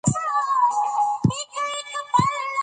مصنوعي ذکاوت د انسانانو په څېر د فکر کولو وړتیا لري.